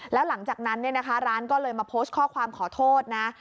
แล้วหลังจากนั้นเนี่ยนะคะร้านก็เลยมาโพสต์ข้อความขอโทษนะ